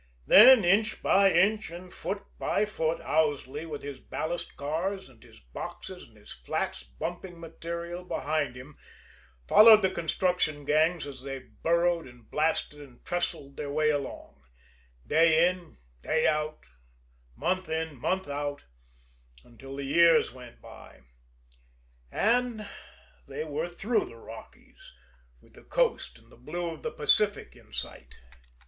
Then, inch by inch and foot by foot, Owsley, with his ballast cars and his boxes and his flats bumping material behind him, followed the construction gangs as they burrowed and blasted and trestled their way along day in, day out, month in, month out, until the years went by, and they were through the Rockies, with the Coast and the blue of the Pacific in sight.